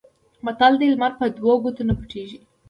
متل دی: لمر په دوو ګوتو نه پټېږي.